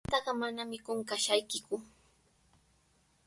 Qamtaqa manami qunqashaykiku.